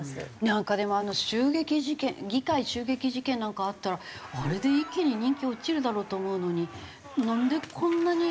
なんかでもあの襲撃事件議会襲撃事件なんかあったらあれで一気に人気落ちるだろうと思うのになんでこんなに。